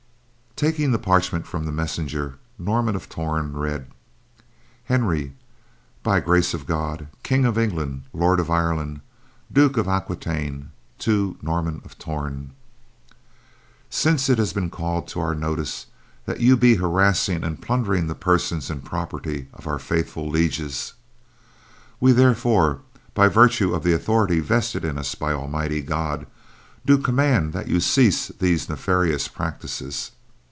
Taking the parchment from the messenger, Norman of Torn read: Henry, by Grace of God, King of England, Lord of Ireland, Duke of Aquitaine; to Norman of Torn: Since it has been called to our notice that you be harassing and plundering the persons and property of our faithful lieges!!!!! We therefore, by virtue of the authority vested in us by Almighty God, do command that you cease these nefarious practices!!!!!